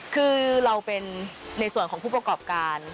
คือเราเป็นในส่วนของผู้ประกอบการ